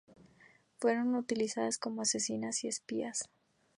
Fueron utilizadas como asesinas y espías.